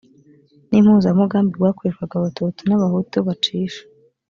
n impuzamugambi bwakorerwaga abatutsi n abahutu bacisha